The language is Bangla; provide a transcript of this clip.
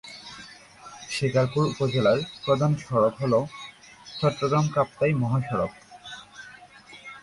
শিকারপুর উপজেলার প্রধান সড়ক হল চট্টগ্রাম-কাপ্তাই মহাসড়ক।